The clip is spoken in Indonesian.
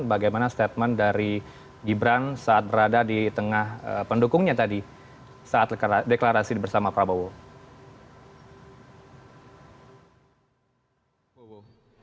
bagaimana statement dari gibran saat berada di tengah pendukungnya tadi saat deklarasi bersama prabowo